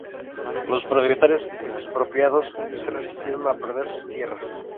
Los propietarios expropiados se resistieron a perder sus tierras.